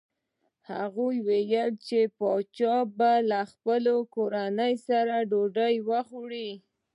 هغه وايي چې پاچا به له خپلې کورنۍ سره ډوډۍ خوړه.